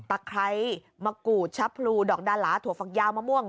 ไคร้มะกูดชะพลูดอกดาหลาถั่วฝักยาวมะม่วง